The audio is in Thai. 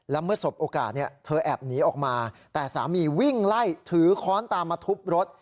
แล้วเมื่อสบโอกาสเธอแอบหนีออกมาแต่สามีวิ่งไล่ถือค้อนตามมาทุบรถ